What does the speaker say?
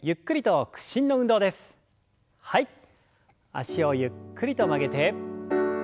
脚をゆっくりと曲げて。